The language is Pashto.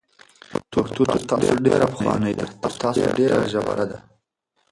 پښتو تر تاسو ډېره پخوانۍ ده، تر تاسو ډېره ژوره ده،